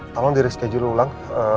tolong diri schedule ulang